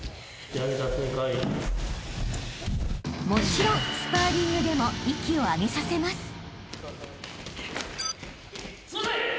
［もちろんスパーリングでも息を上げさせます］